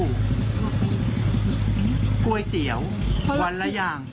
ก๋วยเตี๋ยววันละอย่าง